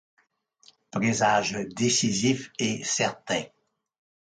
Présage décisif et certain.